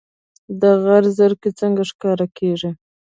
د غره زرکې څنګه ښکار کیږي؟